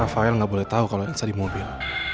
rafael gak boleh tahu kalau elsa di mobil